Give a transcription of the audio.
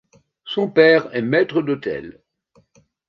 Son père est maître d'hôtel.